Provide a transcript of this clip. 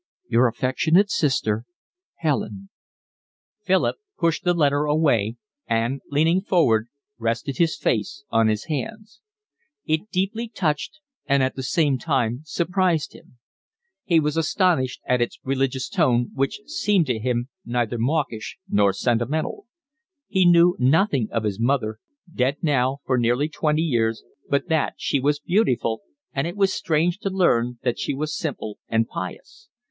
Your affectionate sister, Helen. Philip pushed the letter away and, leaning forward, rested his face on his hands. It deeply touched and at the same time surprised him. He was astonished at its religious tone, which seemed to him neither mawkish nor sentimental. He knew nothing of his mother, dead now for nearly twenty years, but that she was beautiful, and it was strange to learn that she was simple and pious.